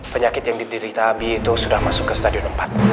penyakit yang diderita abi itu sudah masuk ke stadion empat